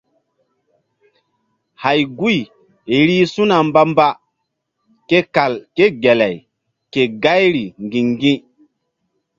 Hay guy rih su̧na mbamba ke kal ké gelay ke gayri ŋgi̧-ŋgi̧.